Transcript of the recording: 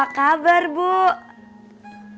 iya iya abang cari kontrakan yang lain